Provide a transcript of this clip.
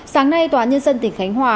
sáng nay tòa nhân dân tỉnh khánh hòa